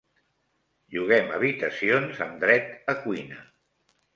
Lloguem habitacions amb dret a cuina.